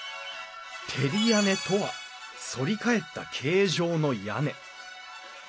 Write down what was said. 照り屋根とはそり返った形状の屋根。